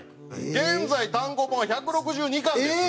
現在単行本は１６２巻です。